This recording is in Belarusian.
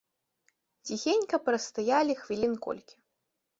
Ціхенька прастаялі хвілін колькі.